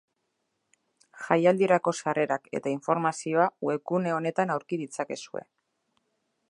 Jaialdirako sarrerak eta informazioa webgune honetan aurki ditzakezue.